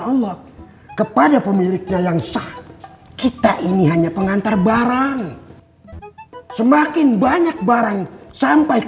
allah kepada pemiliknya yang sah kita ini hanya pengantar barang semakin banyak barang sampai